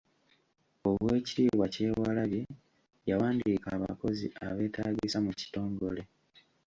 Oweekitiibwa Kyewalabye yawandiika abakozi abeetaagisa mu kitongole.